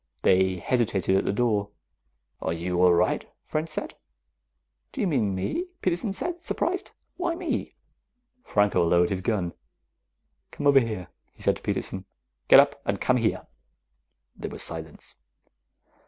They hesitated at the door. "Are you all right?" French said. "Do you mean me?" Peterson said, surprised. "Why me?" Franco lowered his gun. "Come over here," he said to Peterson. "Get up and come here." There was silence.